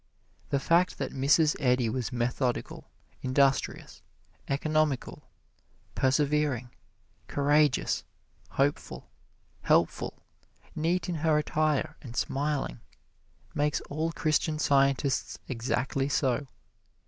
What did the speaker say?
The fact that Mrs. Eddy was methodical, industrious, economical, persevering, courageous, hopeful, helpful, neat in her attire and smiling, makes all Christian Scientists exactly so.